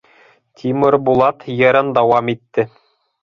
Тимербулат йырын дауам итте.